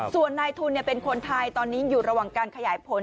ส่วนนายทุนเป็นคนไทยตอนนี้อยู่ระหว่างการขยายผล